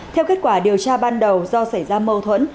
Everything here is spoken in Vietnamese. theo kết quả điều tra ban đầu do xảy ra mâu thuẫn